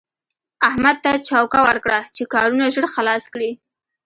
احمد ته چوکه ورکړه چې کارونه ژر خلاص کړي.